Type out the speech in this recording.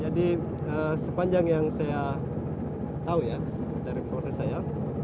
jadi sepanjang yang saya tahu ya dari proses saya